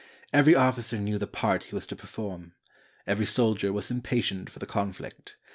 Every officer knew the part he was to perform. Every soldier was impatient for the conflict.